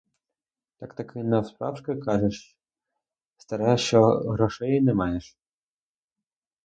Так-таки навсправжки кажеш, стара, що грошей не маєш?